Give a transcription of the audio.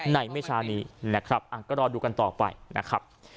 ไม่ช้านี้นะครับก็รอดูกันต่อไปนะครับ